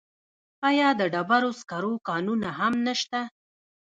آیا د ډبرو سکرو کانونه هم نشته؟